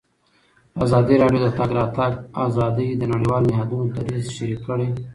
ازادي راډیو د د تګ راتګ ازادي د نړیوالو نهادونو دریځ شریک کړی.